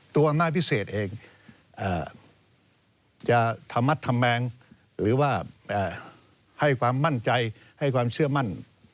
อำนาจพิเศษเองจะธรรมัดทำแมงหรือว่าให้ความมั่นใจให้ความเชื่อมั่น